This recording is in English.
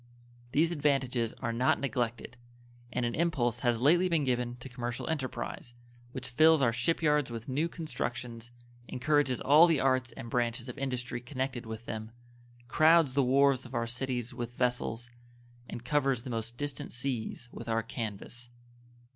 These advantages are not neglected, and an impulse has lately been given to commercial enterprise, which fills our ship yards with new constructions, encourages all the arts and branches of industry connected with them, crowds the wharves of our cities with vessels, and covers the most distant seas with our canvas.